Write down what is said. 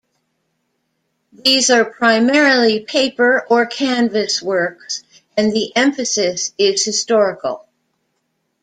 These are primarily paper or canvas works, and the emphasis is historical.